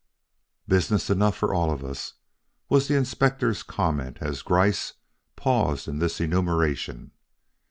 "Business enough for us all," was the Inspector's comment as Gryce paused in this enumeration.